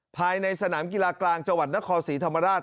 ภายในสนามกีฬากลางจนศศรีธรรมราช